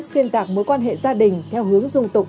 xuyên tạc mối quan hệ gia đình theo hướng dung tục